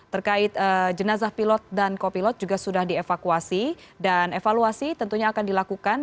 terkait jenazah pilot dan kopilot juga sudah dievakuasi dan evaluasi tentunya akan dilakukan